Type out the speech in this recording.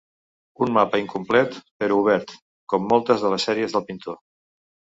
Un mapa incomplet però obert, com moltes de les sèries del pintor.